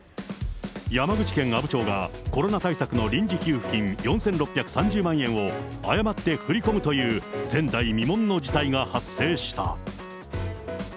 山口県阿武町がコロナ対策の臨時給付金４６３０万円を誤って振り込むという、前代未聞の事態が発生した。